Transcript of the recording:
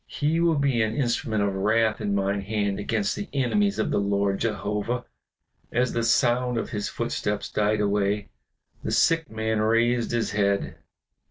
He will be an instrument of wrath in mine hand against the enemies of the Lord Jehovah." As the sound of his footsteps died away, the sick man raised his head.